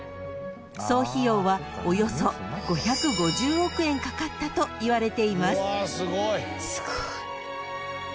［総費用はおよそ５５０億円かかったといわれています］